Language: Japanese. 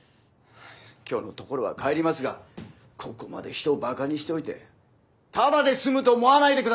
今日のところは帰りますがここまで人をバカにしておいてただで済むと思わないで下さいね。